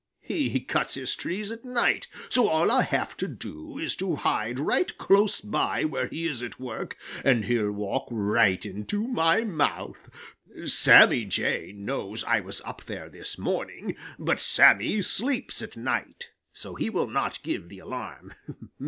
He cuts his trees at night, so all I will have to do is to hide right close by where he is at work, and he'll walk right into my mouth. Sammy Jay knows I was up there this morning, but Sammy sleeps at night, so he will not give the alarm.